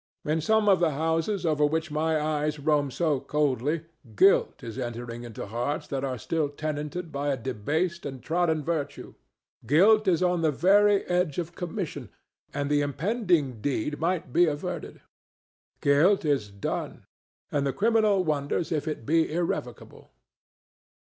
In some of the houses over which my eyes roam so coldly guilt is entering into hearts that are still tenanted by a debased and trodden virtue; guilt is on the very edge of commission, and the impending deed might be averted; guilt is done, and the criminal wonders if it be irrevocable.